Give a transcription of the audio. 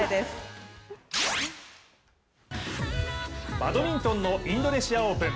バドミントンのインドネシアオープン。